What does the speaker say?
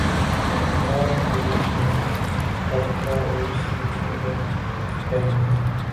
رکھتا پھروں ہوں خرقہ و سجادہ رہن مے